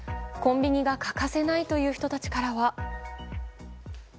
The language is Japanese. コンビニが欠かせないという人たちからは。